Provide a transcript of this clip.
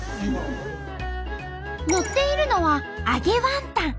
のっているのは揚げワンタン。